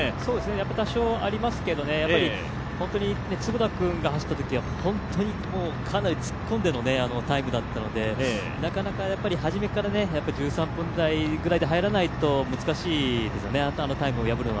多少ありますけど、坪田君が走ったときは本当にかなり突っ込んでのタイムだったのでなかなかはじめから１３分台ぐらいで入らないと難しいですよね、あのタイムを破るのは。